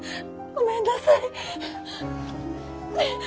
ごめんなさいッ！